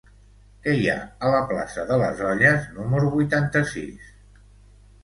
Què hi ha a la plaça de les Olles número vuitanta-sis?